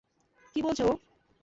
কী বলছে ও?